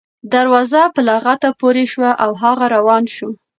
دروازه په لغته پورې شوه او هغه روان شو.